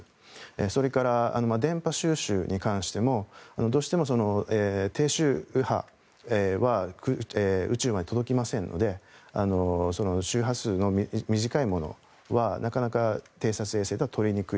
それから、電波収集に関してもどうしても低周波は宇宙まで届きませんので周波数の短いものはなかなか偵察衛星では取りにくい。